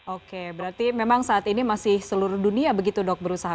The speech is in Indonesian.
oke berarti memang saat ini masih seluruh dunia begitu dok berusaha